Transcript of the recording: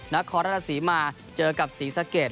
นครราชศรีมาเจอกับศรีสะเกด